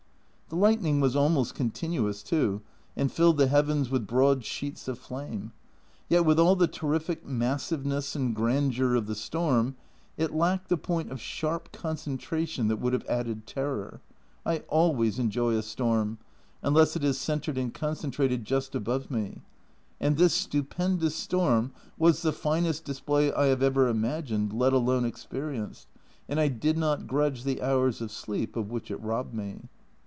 The lightning was almost continuous, too, and filled the heavens with broad sheets of flame. Yet with all the terrific massiveness and grandeur of the storm, it lacked the point of sharp concentration that would have added terror. I always enjoy a storm, unless it is centred and concentrated just above A Journal from Japan 209 me. And this stupendous storm was the finest display I have ever imagined, let alone experienced, and I did not grudge the hours of sleep of which it robbed me.